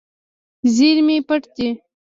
زیرمې پټ دي.